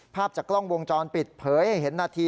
ภาพจากกล้องวงจรปิดเผยให้เห็นนาที